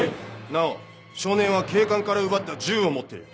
なお少年は警官から奪った銃を持っている。